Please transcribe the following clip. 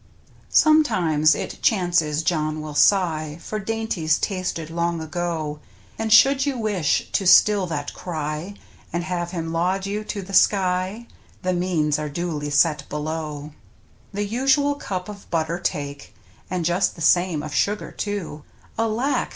Sometimes it chances John will sigh For dainties tasted long ago, And should you wish to still that cry. And have him laud you to the sky. The means are duly set below. The usual cup of butter take, And just the same of sugar, too, Alack!